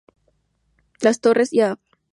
Las Torres y Av.